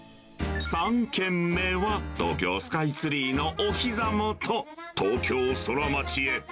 ３軒目は、東京スカイツリーのおひざ元、東京ソラマチへ。